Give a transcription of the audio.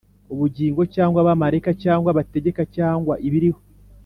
ubugingo, cyangwa abamarayika, cyangwa abategeka, cyangwa ibiriho